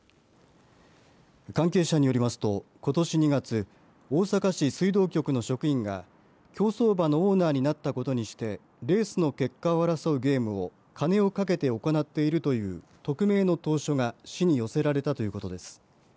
関係者によりますとことし２月大阪市水道局の職員が競走馬のオーナーになったことにしてレースの結果を争うゲームを金をかけて行っているという匿名の投書が市に寄せられたということです。